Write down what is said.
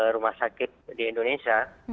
rumah sakit di indonesia